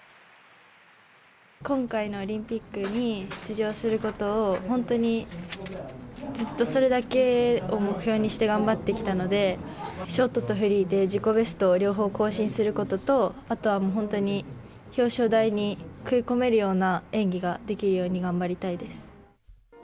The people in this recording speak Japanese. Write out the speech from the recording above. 今回のオリンピックに出場することを、本当にずっとそれだけを目標にして頑張ってきたので、ショートとフリーで自己ベストを両方更新することと、あとはもう、本当に、表彰台に食い込めるような演技ができるように頑張りたいです。